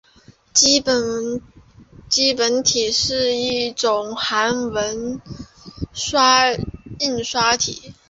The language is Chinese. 基本体是一种韩文印刷体。